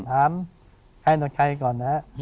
ถามใครต่อใครก่อนนะฮะ